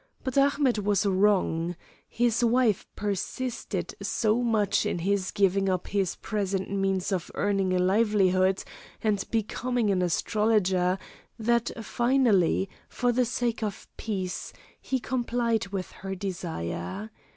But Ahmet was wrong. His wife persisted so much in his giving up his present means of earning a livelihood and becoming an astrologer, that finally, for the sake of peace, he complied with her desire.